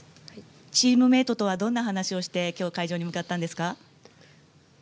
チームメートとはどんな話をして今日、会場に向かったんですか？